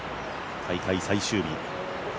大会最終日。